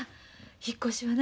引っ越しはな